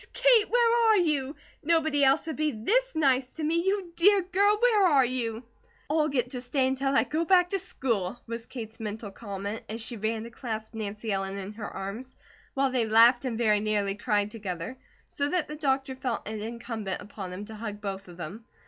Kate! Where are you? Nobody else would be THIS nice to me. You dear girl, where are you?" "I'll get to stay until I go back to school!" was Kate's mental comment as she ran to clasp Nancy Ellen in her arms, while they laughed and very nearly cried together, so that the doctor felt it incumbent upon him to hug both of them.